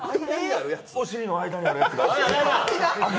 お尻の間にあるやつが。